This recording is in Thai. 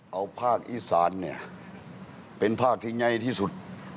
เอาภาคอีสานเป็นภาคที่ใหญ่ที่สุด